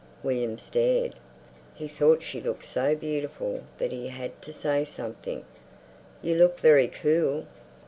William stared. He thought she looked so beautiful that he had to say something, "You look very cool."